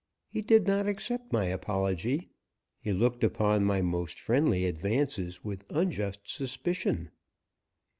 He did not accept my apology. He looked upon my most friendly advances with unjust suspicion.